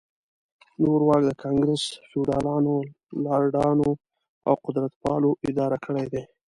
نور واک د ګانګرس فیوډالانو، لارډانو او قدرتپالو اداره کړی دی.